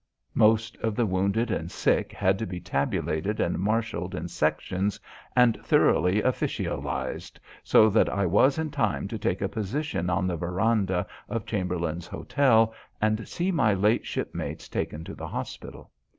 Most of the wounded and sick had to be tabulated and marshalled in sections and thoroughly officialised, so that I was in time to take a position on the verandah of Chamberlain's Hotel and see my late shipmates taken to the hospital.